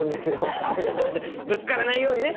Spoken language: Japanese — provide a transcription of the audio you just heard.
ぶつからないようにね。